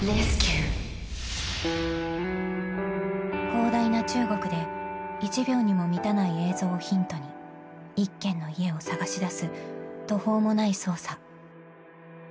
［広大な中国で１秒にも満たない映像をヒントに１軒の家を捜し出す途方もない捜査］